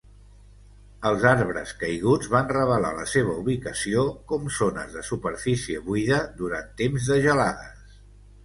Els arbres caiguts van revelar la seva ubicació com zones de superfície buida durant temps de gelades.